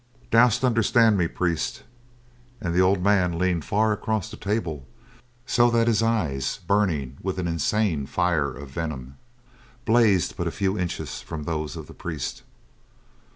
Dost understand me, priest?" And the old man leaned far across the table so that his eyes, burning with an insane fire of venom, blazed but a few inches from those of the priest.